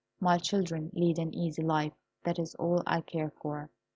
My children lead an easy life, that is all I care for.